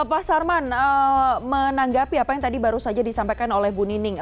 pak sarman menanggapi apa yang tadi baru saja disampaikan oleh bu nining